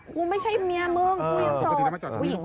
คุณไม่ใช่เมียมึง